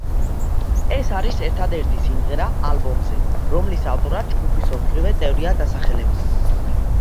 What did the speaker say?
ეს არის ერთადერთი სიმღერა ალბომზე, რომლის ავტორად ჯგუფის ოთხივე წევრია დასახელებული.